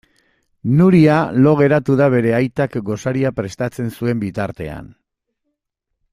Nuria lo geratu da bere aitak gosaria prestatzen zuen bitartean.